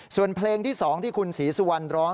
ส่วนเพลงที่๒ที่คุณศรีสุวรรณร้อง